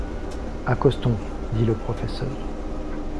Accostons, » dit le professeur.